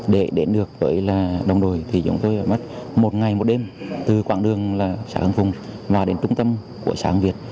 để đến được với đồng đội thì chúng tôi mất một ngày một đêm từ quảng đường xã hương phùng vào đến trung tâm của xã hương việt